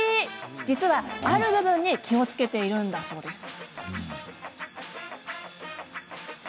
実は、ある部分に気をつけているのだそうです。